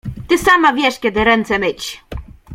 Ty sama wiesz, kiedy ręce myć!